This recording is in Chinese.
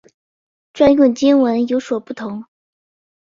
专用经文有所不同。